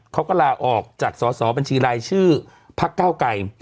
เขาก็ลาออกจากสอสอบัญชีรายชื่อพักเก้าไกร